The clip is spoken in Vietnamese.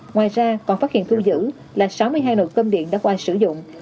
ngoài ra còn phát hiện thu giữ là sáu mươi hai nồi cơm điện đã qua sử dụng